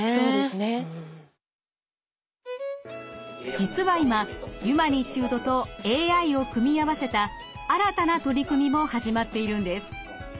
実は今ユマニチュードとＡＩを組み合わせた新たな取り組みも始まっているんです。